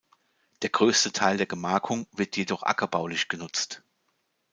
Der größte Teil der Gemarkung wird jedoch ackerbaulich genutzt.